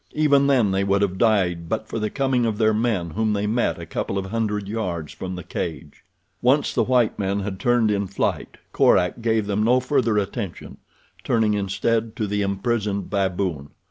Even then they would have died but for the coming of their men whom they met a couple of hundred yards from the cage. Once the white men had turned in flight Korak gave them no further attention, turning instead to the imprisoned baboon.